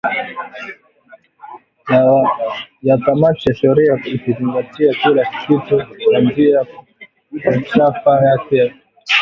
wa kamati ya sheria ikizingatia kila kitu kuanzia falsafa yake ya mahakama kwa ujumla hadi maswali mahususi kuhusu maamuzi ambayo aliyatoa